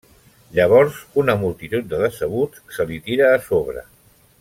Llavors una multitud de decebuts se li tira a sobre.